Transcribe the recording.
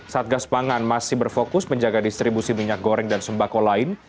satgas pangan masih berfokus menjaga distribusi minyak goreng dan sembako lain